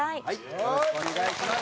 よろしくお願いします。